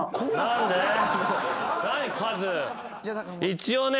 一応ね。